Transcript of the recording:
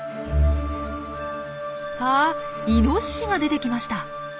あイノシシが出てきました。